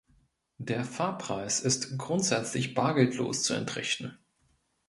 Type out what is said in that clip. Der Fahrpreis ist grundsätzlich bargeldlos zu entrichten.